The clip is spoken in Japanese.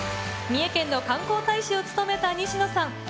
三重県の観光大使を務めた西野さん。